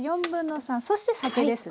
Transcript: そして酒ですね。